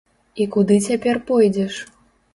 І куды цяпер пойдзеш?